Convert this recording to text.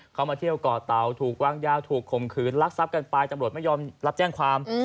เขามาเที่ยวก่อเตาถูกวางยาถูกข่มขืนลักทรัพย์กันไปตำรวจไม่ยอมรับแจ้งความ